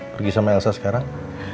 pergi sama elsa sekarang